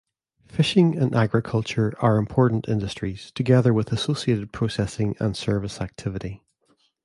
Fishing and agriculture are important industries, together with associated processing and service activity.